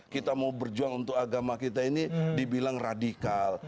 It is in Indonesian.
kita mau berjuang untuk agama kita ini dibilang radikal